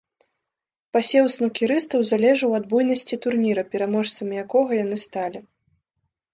Пасеў снукерыстаў залежаў ад буйнасці турніра, пераможцамі якога яны сталі.